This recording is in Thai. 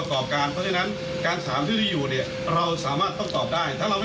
ขอบคุณครับผมยังให้ฝากเขาเลย